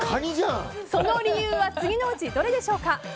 その理由は次のうちどれでしょうか？